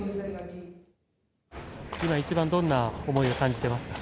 今、一番どんな思いを感じていますか？